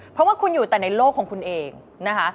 เพราะว่าคุณอยู่แต่ในโลกของคุณเองนะคะ